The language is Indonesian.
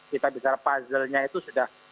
kita bicara puzzle nya itu sudah